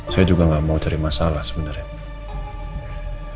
saya juga gak mau cari masalah sebenarnya